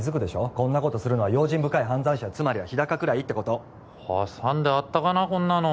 こんなことするのは用心深い犯罪者つまりは日高くらいってこと挟んであったかなこんなの？